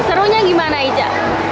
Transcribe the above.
serunya gimana ica